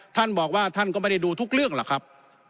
ท่านบอกว่าท่านก็ไม่ได้ดูทุกเรื่องหรอกครับ